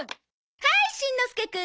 はーいしんのすけくん！